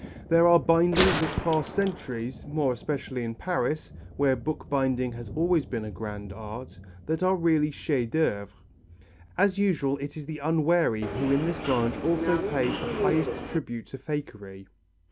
There are bindings of past centuries more especially in Paris, where bookbinding has always been a grand art that are really chefs d'œuvre. As usual it is the unwary who in this branch also pays the highest tribute to fakery.